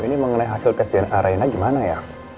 ini mengenai hasil tes dna arena gimana ya